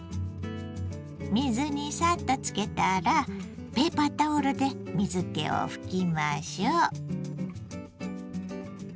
水にサッとつけたらペーパータオルで水けを拭きましょう。